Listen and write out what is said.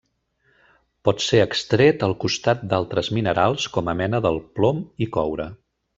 Pot ser extret al costat d'altres minerals com a mena del plom i coure.